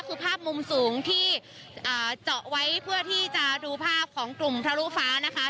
คือภาพมุมสูงที่เจาะไว้เพื่อที่จะดูภาพของกลุ่มทะลุฟ้านะคะ